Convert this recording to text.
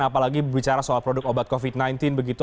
apalagi bicara soal produk obat covid sembilan belas begitu